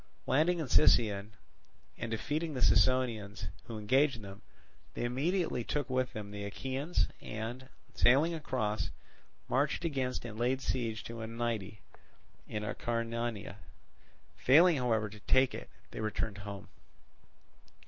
Landing in Sicyon and defeating the Sicyonians who engaged them, they immediately took with them the Achaeans and, sailing across, marched against and laid siege to Oeniadae in Acarnania. Failing however to take it, they returned home.